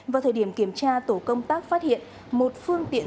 vào thời điểm kiểm tra tổ công tác phát hiện một phương tiện